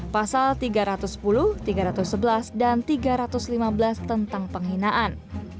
pasal tiga ratus sepuluh tiga ratus sebelas dan tiga ratus lima belas tentang penghinaan